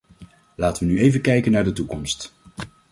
Laten we nu even kijken naar de toekomst.